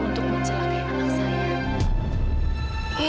untuk mencelakai anak saya